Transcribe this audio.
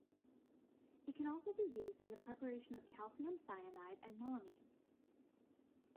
It can also be used in the preparation of calcium cyanide and melamine.